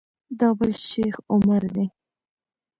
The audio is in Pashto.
دا بل شیخ عمر دی.